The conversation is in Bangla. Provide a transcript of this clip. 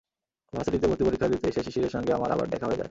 ভার্সিটিতে ভর্তি পরীক্ষা দিতে এসে শিশিরের সঙ্গে আমার আবার দেখা হয়ে যায়।